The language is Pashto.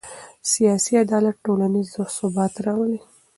سیاسي عدالت ټولنیز ثبات راولي